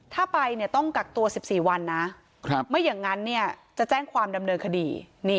ถ้าไปต้องกักตัว๑๔วันนะไม่อย่างนั้นจะแจ้งความดำเนินคดี